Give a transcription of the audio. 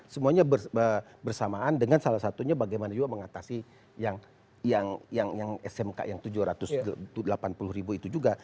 semuanya bersamaan dengan salah satunya bagaimana juga mengatasi yang smk yang tujuh ratus delapan puluh ribu itu juga